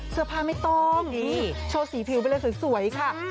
เสื้อผ้าไม่ต้องโชว์สีผิวไปเลยสวยค่ะ